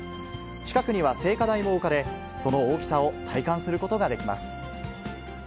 近くには聖火台も置かれ、その大きさを体感することができます。